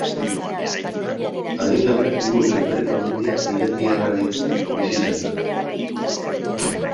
Adingabea hiru urtez bere familia irakiarrarekin bizi izan da.